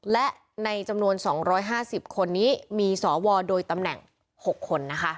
และในจำนวน๒๕๐คนนี้มีสวโดยตำแหน่ง๖คนนะคะ